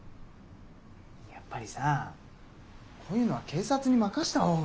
やっぱりさこういうのは警察に任した方が。